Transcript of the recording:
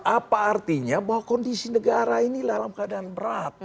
apa artinya bahwa kondisi negara ini dalam keadaan berat